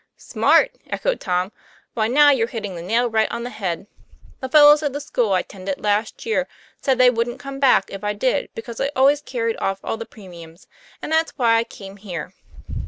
"Smart!" echoed Tom, "why, now you're hitting the nail right on the head. The fellows at the school I 'tended last year said they wouldn't come back if I did, because I always carried off all the premiums; and that's why I came here."